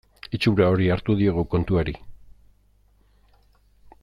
Itxura hori hartu diogu kontuari.